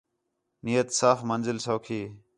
نیت صاف منزل سَوکھی